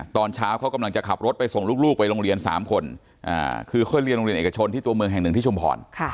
ตอนเช้าเขากำลังจะขับรถไปส่งลูกไปโรงเรียน๓คนคือเขาเรียนโรงเรียนเอกชนที่ตัวเมืองแห่งหนึ่งที่ชุมพร